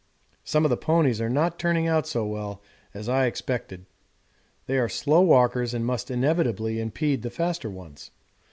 Some of the ponies are not turning out so well as I expected; they are slow walkers and must inevitably impede the faster ones.